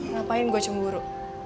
ngapain gue cemburu